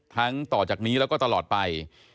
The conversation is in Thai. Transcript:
ต่อจากนี้แล้วก็ตลอดไป